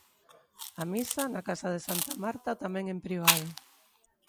A misa, na casa de Santa Marta, tamén en privado.